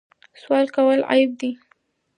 سوال کول عیب دی.